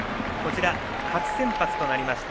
初先発となりました